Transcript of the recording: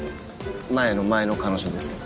前の前の彼女ですけど。